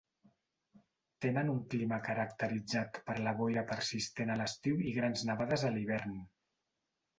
Tenen un clima caracteritzat per la boira persistent a l'estiu i grans nevades a l'hivern.